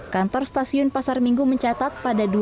kantor stasiun pasar minggu mencatat